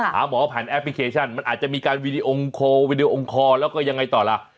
หาหมอผ่านแอปพลิเคชันมันอาจจะมีการวีดีโอคอลวีดีโอคอร์แล้วก็ยังไงต่อล่ะ